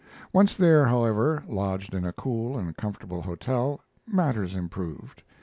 Once there, however, lodged in a cool and comfortable hotel, matters improved.